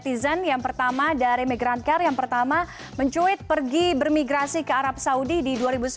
apa komentar dari netizen yang pertama dari migrant car yang pertama mencuit pergi bermigrasi ke arab saudi di dua ribu sembilan